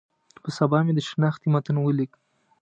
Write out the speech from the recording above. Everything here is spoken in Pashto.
په سبا مې د شنختې متن ولیک.